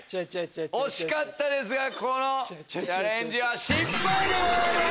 惜しかったですがこのチャレンジ失敗でございます。